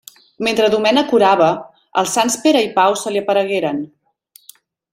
Mentre Domènec orava, els sants Pere i Pau se li aparegueren.